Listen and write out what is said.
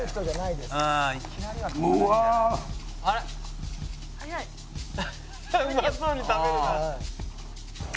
うまそうに食べるな」